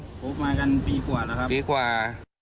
ผมมากันปีกว่าแล้วครับปีกว่า